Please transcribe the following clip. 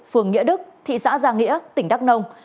phường nghĩa đức thị xã giang nghĩa tỉnh đắk nông